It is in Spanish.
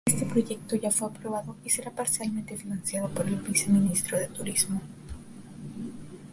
Este proyecto ya fue aprobado y será parcialmente financiado por el Viceministerio de Turismo.